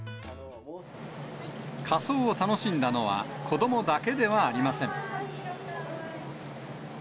仮装を楽しんだのは子どもだけではありません。